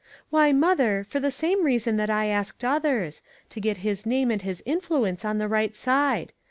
" Why, mother, for the same reason that I asked others. To get his name and his influence on the right side.